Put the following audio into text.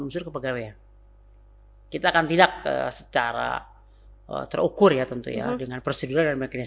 unsur kepegawaian kita akan didatakan secara terukur ya tentu ya dengan prosedur yang mengenai